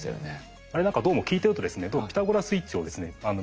あれ何かどうも聞いてるとですねおっ。